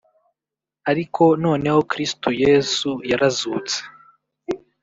Ariko noneho Kristo Yesu yarazutse